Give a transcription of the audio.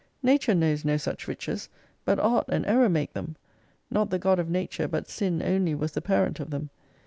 Nature knows no such riches : but art and error make them. Not the God of Nature, but Sin only was the parent of them.